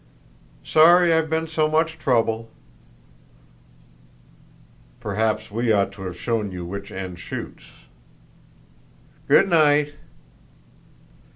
"Sorry I've been so much trouble." "Perhaps we ought to have shown you which end shoots." "Good night."